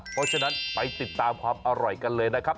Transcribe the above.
เพราะฉะนั้นไปติดตามความอร่อยกันเลยนะครับ